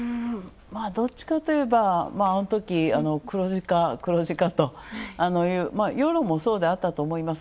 どっちかといえば、あのとき黒字化、黒字化という世論もそうであったと思います。